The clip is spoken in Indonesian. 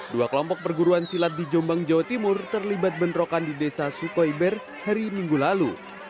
dua kelompok perguruan silat di jombang jawa timur terlibat bentrokan di desa sukoiber hari minggu lalu